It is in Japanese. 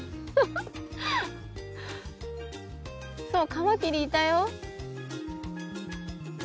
カマキリいたよ。